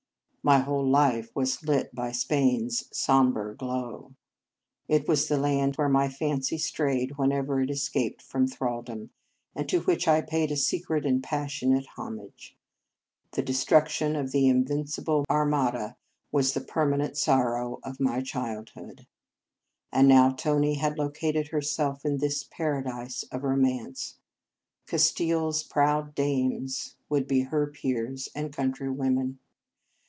My whole life was lit by Spain s som bre glow. It was the land where my fancy strayed whenever it escaped from thraldom, and to which I paid a secret and passionate homage. The destruction of the Invincible Armada In Our Convent Days was the permanent sorrow of my child hood. And now Tony had located herself in this paradise of romance. " Castile s proud dames " would be her peers and countrywomen.